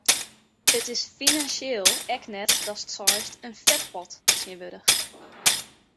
It is finansjeel ek net datst seist in fetpot tsjinwurdich.